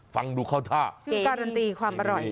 ฟังดูเข้าท่าชื่อการันตีความอร่อย